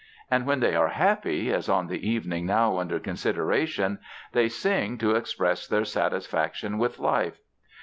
And when they are happy, as on the evening now under consideration, they sing to express their satisfaction with life.